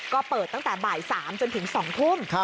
ก็เปิดตั้งแต่บ่าย๓จนถึง๒ทุ่ม